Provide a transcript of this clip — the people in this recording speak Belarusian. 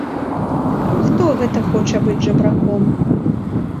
Хто гэта хоча быць жабраком!